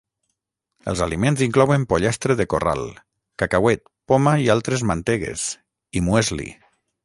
Els aliments inclouen pollastre de corral; cacauet, poma i altres mantegues; i muesli.